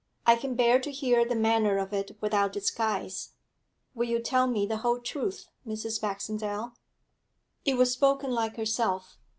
'I can bear to hear the manner of it without disguise. Will you tell me the whole truth, Mrs. Baxendale?' It was spoken like herself.